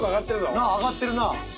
なあ上がってるな。